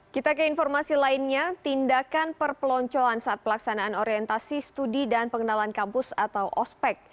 kita ke informasi lainnya tindakan perpeloncoan saat pelaksanaan orientasi studi dan pengenalan kampus atau ospec